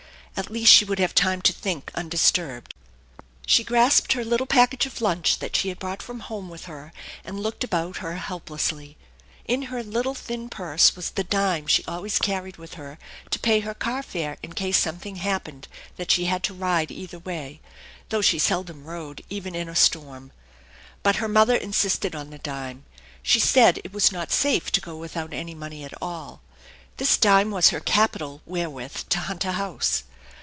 At least, she would have time to think undisturbed. She grasped her little package of lunch that she had brought from home with her and looked about her helplessly. In her little thin purse was the dime she always carried with her to pay her car fare in case something happened that she had to ride either way though she seldom rode, even in a storm. But her mother insisted on the dime. She said it was not safe to go without any money at all. This dime was her capital wherewith to hunt a house.